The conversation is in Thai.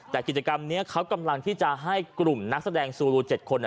แต่กิจกรรมนี้เขากำลังที่จะให้กลุ่มนักแสดงซูลู๗คน